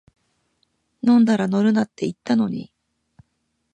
飲んだら乗るなって言ったのに